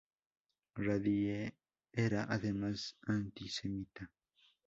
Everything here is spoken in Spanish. Radić era además antisemita.